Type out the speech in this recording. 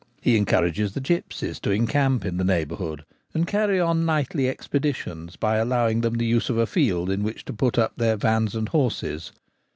He encourages the gipsies to encamp in the neighbourhood and carry on nightly expeditions by allowing them the use of a field in which to put their vans and horses.